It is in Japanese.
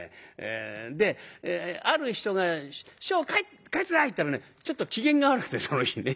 である人が「師匠書いて下さい」って言ったらねちょっと機嫌が悪くてその日ね。